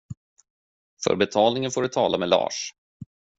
För betalningen får du tala med Lars.